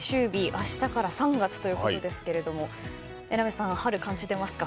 明日から３月ということですけど榎並さん、春感じてますか？